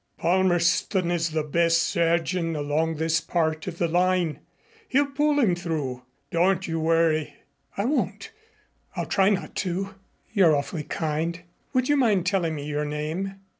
"Palmerston is the best surgeon along this part of the line. He'll pull him through. Don't you worry." "I won't I'll try not to you're awfully kind. Would you mind telling me your name?"